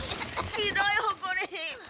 ひどいほこり！